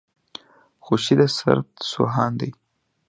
خوشي د سرت سو هان دی.